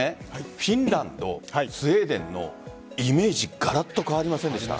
フィンランド、スウェーデンのイメージガラッと変わりませんでした？